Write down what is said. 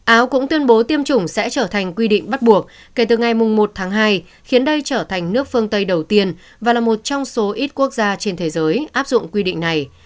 áo cũng tuyên bố tiêm chủng sẽ trở thành quy định bắt buộc kể từ ngày một tháng hai khiến đây trở thành nước phương tây đầu tiên và là một trong số ít quốc gia trên thế giới áp dụng quy định này